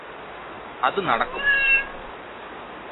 അത് നടക്കും